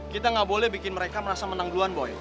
kita nggak boleh bikin mereka merasa menang duluan boy